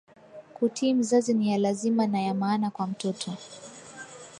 Kutii mzazi niya lazima na ya maana kwa mtoto